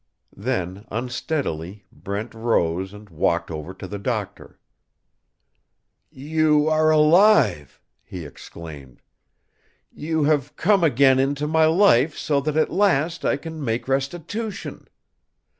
Then unsteadily Brent rose and walked over to the doctor. "You are alive!" he exclaimed. "You have come again into my life so that at last I can make restitution.